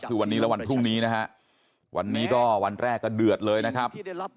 คือวันนี้และวันพรุ่งนี้นะฮะวันนี้ก็วันแรกก็เดือดเลยนะครับ